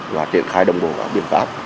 và triển khai đồng bộ biện pháp